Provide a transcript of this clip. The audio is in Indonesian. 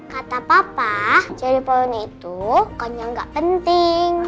kata papa jadi pohon itu pokoknya gak penting